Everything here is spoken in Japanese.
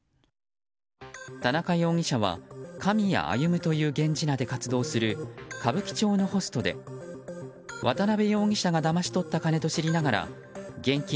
田中容疑者は狼谷歩という源氏名で活動する歌舞伎町のホストで渡辺容疑者がだまし取った金と知りながら現金